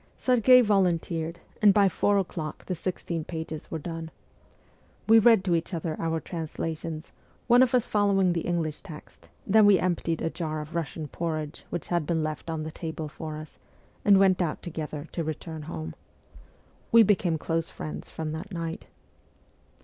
Serghei volunteered, and by four o'clock the sixteen pages were done. We read to each other our translations, one of us following the English text ; then we emptied a jar of Eussian porridge which had been left on the table for us, and went out together to return home. We became close friends from that night.